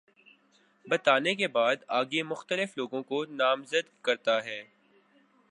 بتانے کے بعد آگے مختلف لوگوں کو نامزد کرتا ہے